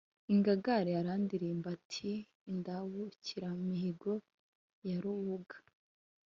ingangare arandirimba, ati: indabukiramihigo ya rubuga